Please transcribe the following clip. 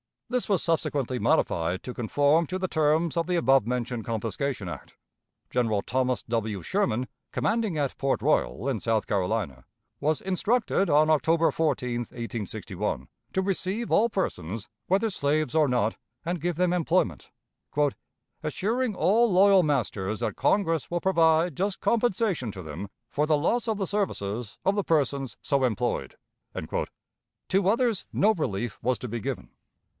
This was subsequently modified to conform to the terms of the above mentioned confiscation act. General Thomas W. Sherman, commanding at Port Royal, in South Carolina, was instructed, on October 14, 1861, to receive all persons, whether slaves or not, and give them employment, "assuring all loyal masters that Congress will provide just compensation to them for the loss of the services of the persons so employed." To others no relief was to be given.